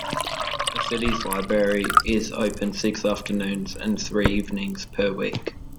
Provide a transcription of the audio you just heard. The city's library is open six afternoons and three evenings per week.